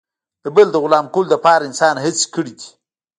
د بل د غلام کولو لپاره انسان هڅې کړي دي.